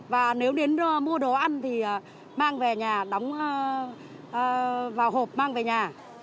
và nếu đến mua đồ ăn thì mang về nhà đóng vào hộp mang về nhà